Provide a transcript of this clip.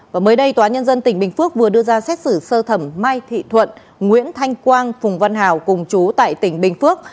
và mới đây tòa nhân dân tỉnh bình phước vừa đưa ra xét xử sơ thẩm mai thị thuận nguyễn thanh quang phùng văn hào cùng chú tại tỉnh bình phước